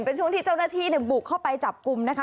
เป็นช่วงที่เจ้าหน้าที่บุกเข้าไปจับกลุ่มนะคะ